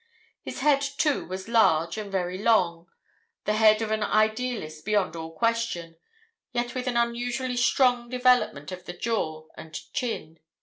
His head, too, was large and very long, the head of an idealist beyond all question, yet with an unusually strong development of the jaw and chin.